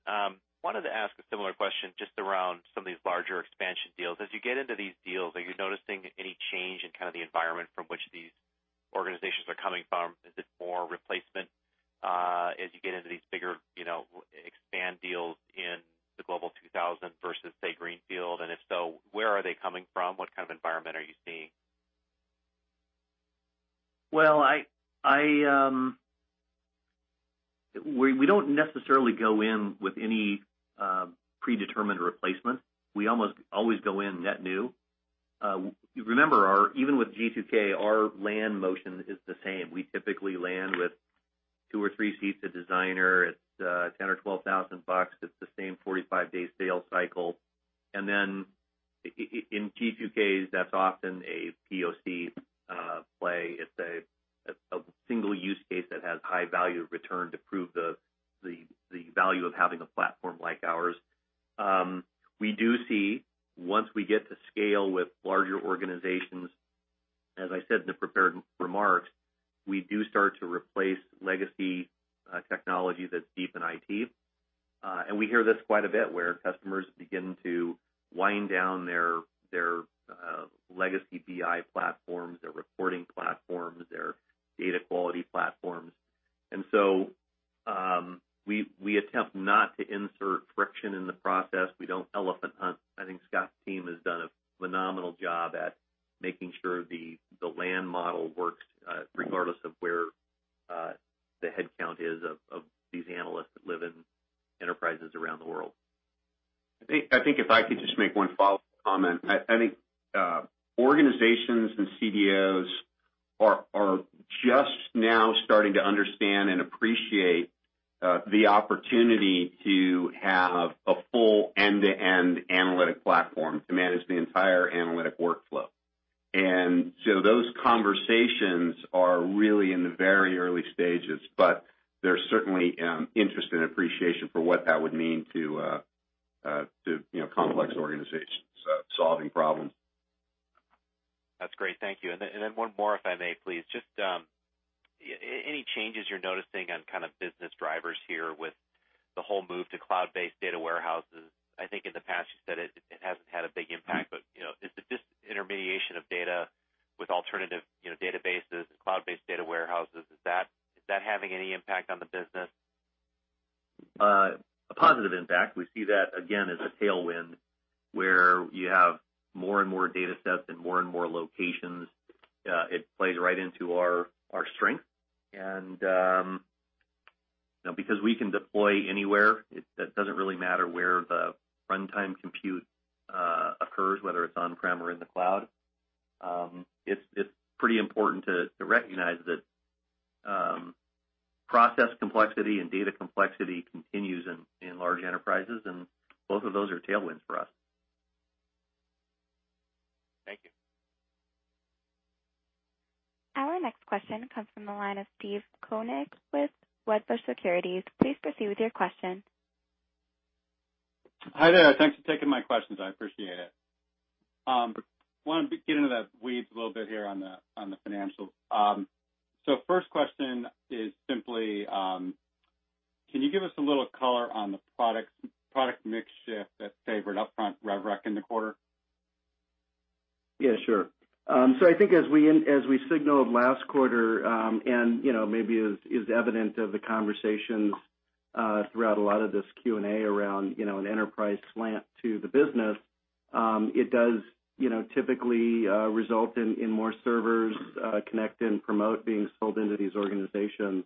Speaker 17: Wanted to ask a similar question just around some of these larger expansion deals. As you get into these deals, are you noticing any change in kind of the environment from which these organizations are coming from? Is it more replacement as you get into these bigger expand deals in the Global 2000 versus, say, greenfield? If so, where are they coming from? What kind of environment are you seeing?
Speaker 3: Well, we don't necessarily go in with any predetermined replacement. We almost always go in net new. Remember, even with G2K, our land motion is the same. We typically land with two or three seats a Designer. It's $10,000 or $12,000. It's the same 45-day sales cycle. In Q2 case, that's often a POC play. It's a single use case that has high value of return to prove the value of having a platform like ours. We do see, once we get to scale with larger organizations, as I said in the prepared remarks, we do start to replace legacy technology that's deep in IT. We hear this quite a bit, where customers begin to wind down their legacy BI platforms, their reporting platforms, their data quality platforms. We attempt not to insert friction in the process. We don't elephant hunt. I think Scott's team has done a phenomenal job at making sure the land model works, regardless of where the head count is of these analysts that live in enterprises around the world.
Speaker 6: I think if I could just make one follow-up comment. I think organizations and CDOs are just now starting to understand and appreciate the opportunity to have a full end-to-end analytic platform to manage the entire analytic workflow. Those conversations are really in the very early stages, but there's certainly interest and appreciation for what that would mean to complex organizations solving problems.
Speaker 17: That's great. Thank you. One more, if I may, please. Just any changes you're noticing on kind of business drivers here with the whole move to cloud-based data warehouses. I think in the past you said it hasn't had a big impact, but is the disintermediation of data with alternative databases and cloud-based data warehouses, is that having any impact on the business?
Speaker 3: A positive impact. We see that, again, as a tailwind where you have more and more data sets and more and more locations. It plays right into our strength. Because we can deploy anywhere, it doesn't really matter where the runtime compute occurs, whether it's on-prem or in the cloud. It's pretty important to recognize that process complexity and data complexity continues in large enterprises, and both of those are tailwinds for us.
Speaker 17: Thank you.
Speaker 1: Our next question comes from the line of Steve Koenig with Wedbush Securities. Please proceed with your question.
Speaker 18: Hi there. Thanks for taking my questions. I appreciate it. Wanted to get into the weeds a little bit here on the financials. First question is simply, can you give us a little color on the product mix shift that favored upfront rev rec in the quarter?
Speaker 4: Yeah, sure. I think as we signaled last quarter, maybe is evident of the conversations throughout a lot of this Q&A around an enterprise slant to the business, it does typically result in more servers, Connect and Promote being sold into these organizations.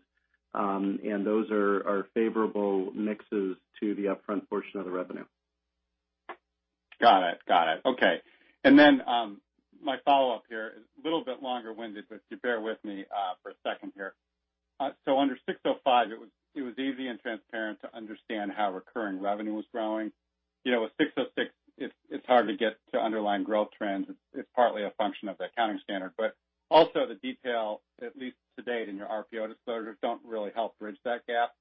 Speaker 4: Those are favorable mixes to the upfront portion of the revenue.
Speaker 18: Got it. Okay. My follow-up here is a little bit longer-winded, but do bear with me for a second here. Under ASC 605, it was easy and transparent to understand how recurring revenue was growing. With ASC 606, it's hard to get to underlying growth trends. It's partly a function of the accounting standard, but also the detail, at least to date in your RPO disclosures, don't really help bridge that gap.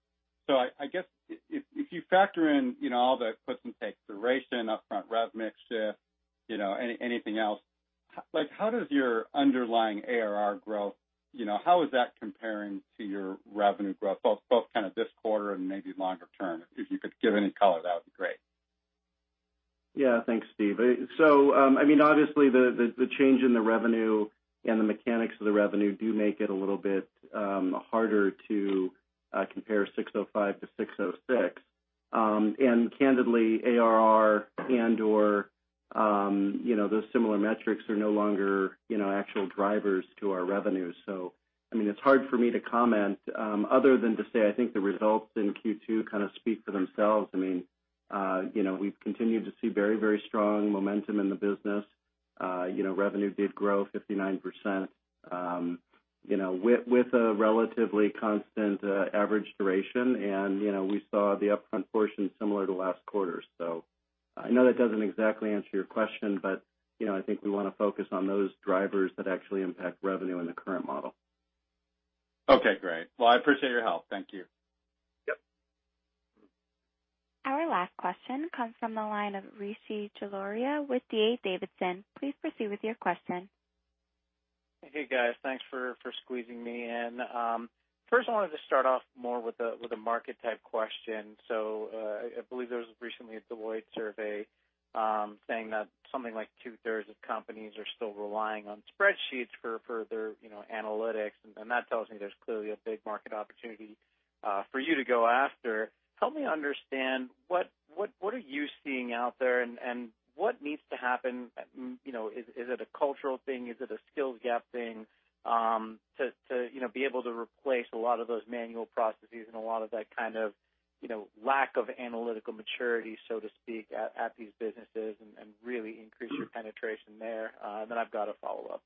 Speaker 18: I guess, if you factor in all the puts and takes, duration, upfront rev mix shift, anything else, how does your underlying ARR growth, how is that comparing to your revenue growth, both this quarter and maybe longer term? If you could give any color, that would be great.
Speaker 4: Yeah. Thanks, Steve. Obviously the change in the revenue and the mechanics of the revenue do make it a little bit harder to compare 605 to 606. Candidly, ARR and/or those similar metrics are no longer actual drivers to our revenue. It's hard for me to comment other than to say, I think the results in Q2 kind of speak for themselves. We've continued to see very strong momentum in the business. Revenue did grow 59%, with a relatively constant average duration. We saw the upfront portion similar to last quarter. I know that doesn't exactly answer your question, but I think we want to focus on those drivers that actually impact revenue in the current model.
Speaker 18: Okay, great. Well, I appreciate your help. Thank you.
Speaker 4: Yep.
Speaker 1: Our last question comes from the line of Rishi Jaluria with D.A. Davidson. Please proceed with your question.
Speaker 19: Hey, guys. Thanks for squeezing me in. First I wanted to start off more with a market type question. I believe there was recently a Deloitte survey, saying that something like two-thirds of companies are still relying on spreadsheets for their analytics. That tells me there's clearly a big market opportunity for you to go after. Help me understand what are you seeing out there and what needs to happen? Is it a cultural thing? Is it a skills gap thing to be able to replace a lot of those manual processes and a lot of that kind of lack of analytical maturity, so to speak, at these businesses and really increase your penetration there? Then I've got a follow-up.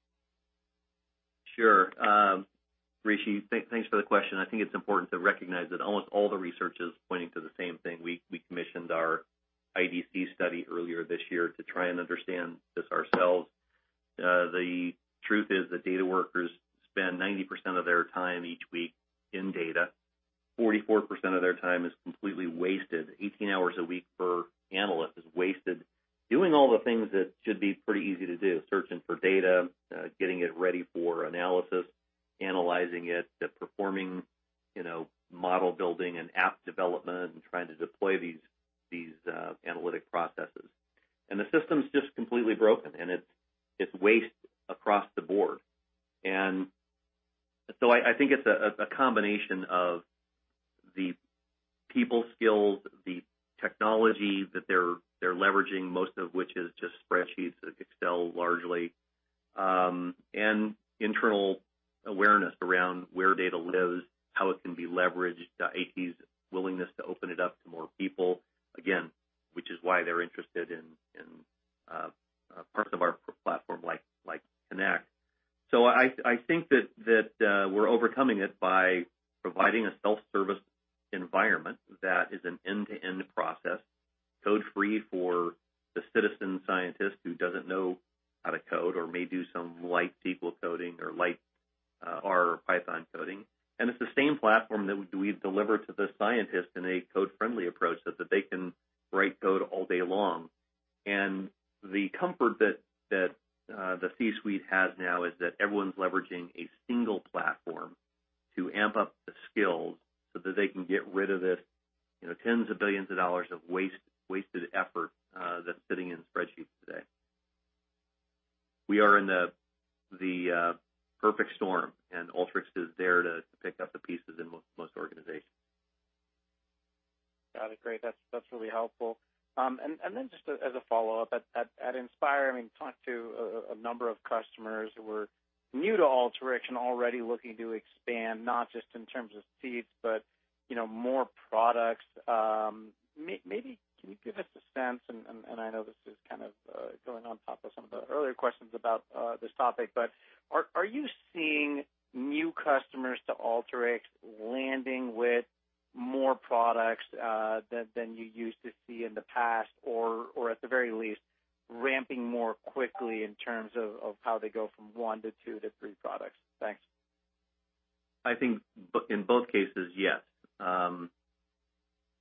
Speaker 3: Sure. Rishi, thanks for the question. I think it's important to recognize that almost all the research is pointing to the same thing. We commissioned our IDC study earlier this year to try and understand this ourselves. The truth is that data workers spend 90% of their time each week in data. 44% of their time is completely wasted. 18 hours a week per analyst is wasted doing all the things that should be pretty easy to do, searching for data, getting it ready for analysis, analyzing it, performing model building and app development, and trying to deploy these analytic processes. The system's just completely broken, and it's waste across the board. I think it's a combination of the people skills, the technology that they're leveraging, most of which is just spreadsheets, Excel largely, and internal awareness around where data lives, how it can be leveraged, the IT's willingness to open it up to more people, again, which is why they're interested in parts of our platform like Connect. I think that we're overcoming it by providing a self-service environment that is an end-to-end process, code-free for the citizen scientist who doesn't know how to code or may do some light SQL coding or light R or Python coding. It's the same platform that we've delivered to the scientist in a code-friendly approach so that they can write code all day long. The comfort that the C-suite has now is that everyone's leveraging a single platform to amp up the skills so that they can get rid of the tens of billions of dollars of wasted effort that's sitting in spreadsheets today. We are in the perfect storm, and Alteryx is there to pick up the pieces in most organizations.
Speaker 19: Got it. Great. That's really helpful. Then just as a follow-up, at Inspire, I talked to a number of customers who were new to Alteryx and already looking to expand, not just in terms of seats but more products. Maybe can you give us a sense, and I know this is kind of going on top of some of the earlier questions about this topic, are you seeing new customers to Alteryx landing with more products than you used to see in the past, or at the very least, ramping more quickly in terms of how they go from one to two to three products? Thanks.
Speaker 3: I think in both cases, yes.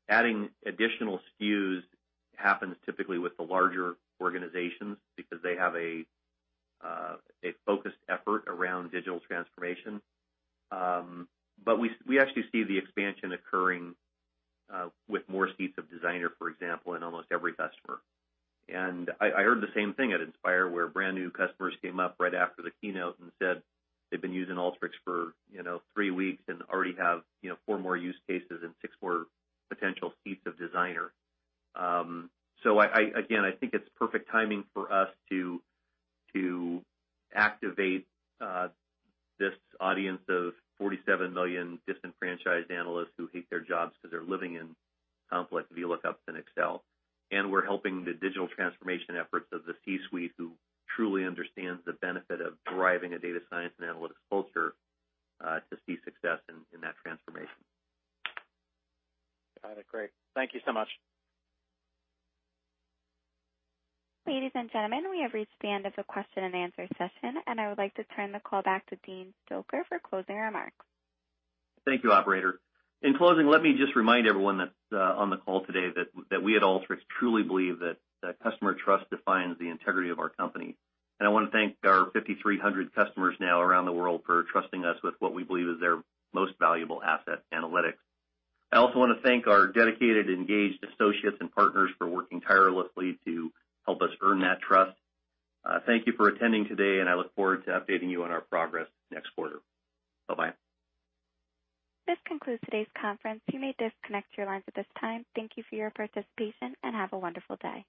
Speaker 3: Adding additional SKUs happens typically with the larger organizations because they have a focused effort around digital transformation. We actually see the expansion occurring with more seats of Designer, for example, in almost every customer. I heard the same thing at Inspire, where brand-new customers came up right after the keynote and said they've been using Alteryx for three weeks and already have four more use cases and six more potential seats of Designer. Again, I think it's perfect timing for us to activate this audience of 47 million disenfranchised analysts who hate their jobs because they're living in complex VLOOKUPs in Excel. We're helping the digital transformation efforts of the C-suite, who truly understands the benefit of driving a data science and analytics culture to see success in that transformation.
Speaker 19: Got it. Great. Thank you so much.
Speaker 1: Ladies and gentlemen, we have reached the end of the question-and-answer session. I would like to turn the call back to Dean Stoecker for closing remarks.
Speaker 3: Thank you, operator. In closing, let me just remind everyone that is on the call today that we at Alteryx truly believe that customer trust defines the integrity of our company. I want to thank our 5,300 customers now around the world for trusting us with what we believe is their most valuable asset, analytics. I also want to thank our dedicated, engaged associates and partners for working tirelessly to help us earn that trust. Thank you for attending today, and I look forward to updating you on our progress next quarter. Bye-bye.
Speaker 1: This concludes today's conference. You may disconnect your lines at this time. Thank you for your participation, and have a wonderful day.